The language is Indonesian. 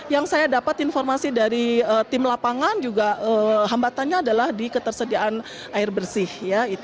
yang saya dapat informasi dari tim lapangan juga hambatannya adalah di ketersediaan air bersih